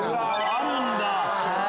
あるんだ！